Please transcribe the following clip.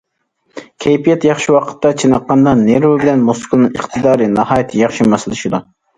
كەيپىيات ياخشى ۋاقىتتا چېنىققاندا، نېرۋا بىلەن مۇسكۇلنىڭ ئىقتىدارى ناھايىتى ياخشى ماسلىشىدۇ.